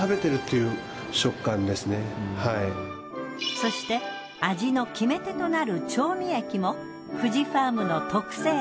そして味の決め手となる調味液も久慈ファームの特製。